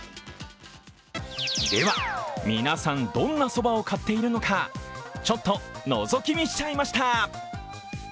では、皆さんどんなそばを買っているのかちょっとのぞき見しちゃいました！